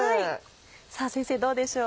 さぁ先生どうでしょう。